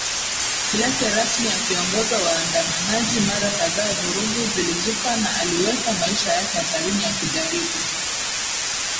lake rasmi akiongoza waandamanaji Mara kadhaa vurugu zilizuka na aliweka maisha yake hatarini akijaribu